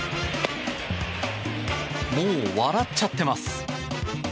もう笑っちゃってます。